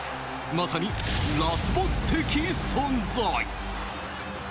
まさにラスボス的存在。